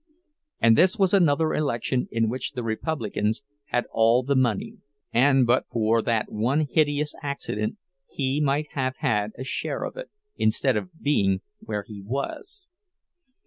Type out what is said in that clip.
And this was another election in which the Republicans had all the money; and but for that one hideous accident he might have had a share of it, instead of being where he was!